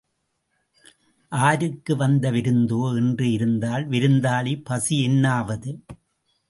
ஆருக்கு வந்த விருந்தோ என்று இருந்தால் விருந்தாளி பசி என்னாவது?